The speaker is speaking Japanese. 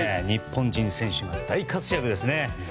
日本人選手も大活躍ですね。